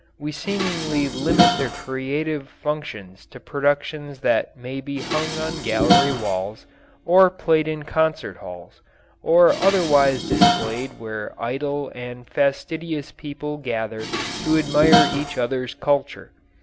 We seemingly limit the creative functions to productions that may be hung on gallery walls, or played in concert halls, or otherwise displayed where idle and fastidious people gather to admire each other's culture.